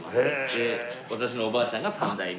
で私のおばあちゃんが３代目。